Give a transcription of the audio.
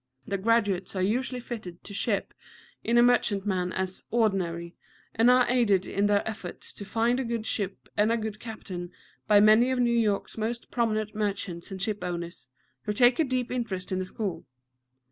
The graduates are usually fitted to ship in a merchantman as "ordinary," and are aided in their efforts to find a good ship and a good captain by many of New York's most prominent merchants and ship owners, who take a deep interest in the school.